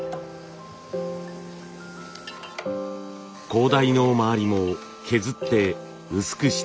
高台の周りも削って薄くしていきます。